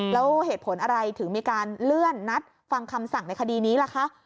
แล้วเหตุผลอะไรถึงมีการเลื่อนนัดฟังคำสั่งในคดีนี้ล่ะคะ